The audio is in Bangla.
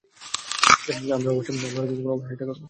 আমরা অবশ্যই এটা করবো।